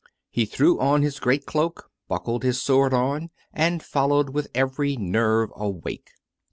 He threw on his great cloak, buckled his sword on, and followed with every nerve awake.